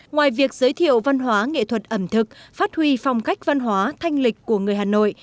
ngoài việc giới thiệu văn hóa nghệ thuật ẩm thực phát huy phong cách văn hóa thanh lịch của người hà nội